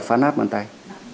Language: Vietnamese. phá nát bàn tay